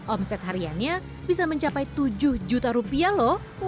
omset hariannya bisa mencapai tujuh juta rupiah loh